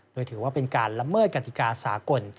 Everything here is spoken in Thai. โดยถือว่าเป็นการละเมิดกติกาสากล